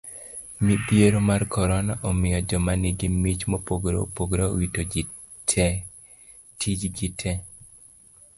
Midhiero mar korona omiyo joma nigi mich mopogore opogore owito tije gi.